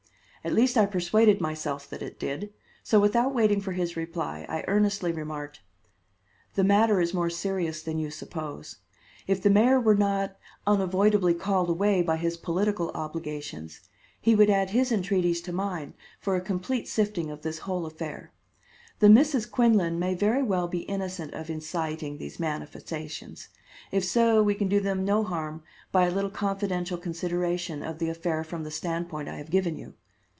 At least I persuaded myself that it did; so without waiting for his reply, I earnestly remarked: "The matter is more serious than you suppose. If the mayor were not unavoidably called away by his political obligations, he would add his entreaties to mine for a complete sifting of this whole affair. The Misses Quinlan may very well be innocent of inciting these manifestations; if so, we can do them no harm by a little confidential consideration of the affair from the standpoint I have given you.